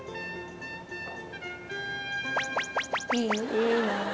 いいなぁ。